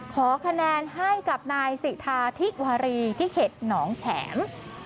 ขอคะแนนให้กับนายสิทาธิวารีที่เขตหนองแข็ม